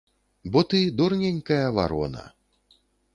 Бо ты дурненькая варона!